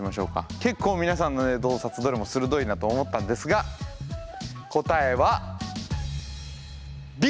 結構皆さんのね洞察どれも鋭いなと思ったんですが答えはＢ。